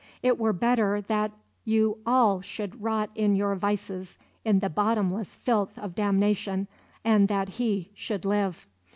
It were better that you all should rot in your vices, in the bottomless filth of damnation, and that he should live.